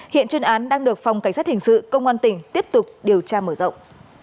hiện chuyên án đang được phòng cảnh sát hình sự công an tỉnh tiếp tục điều tra mở rộng